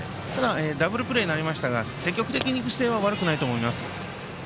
ダブルプレーになりましたが積極的にいく姿勢は悪くないと思います。